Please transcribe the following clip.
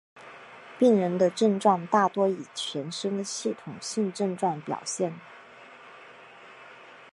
病人的症状大多以全身的系统性症状表现。